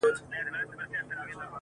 o آثر د خپل یوه نظر وګوره ,